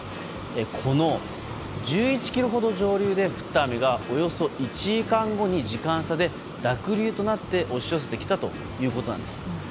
この１１ｋｍほど上流で降った雨がおよそ１時間後に時間差で、濁流となって押し寄せてきたということなんです。